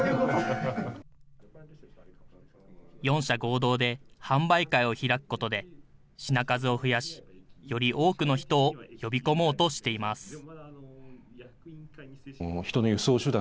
４社合同で販売会を開くことで、品数を増やし、より多くの人を呼び込もうとしています。